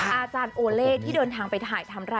อาจารย์โอเล่ที่เดินทางไปถ่ายทำไร